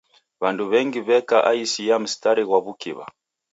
W'andu w'engi w'eka aisi ya msitari ghwa w'ukiw'a.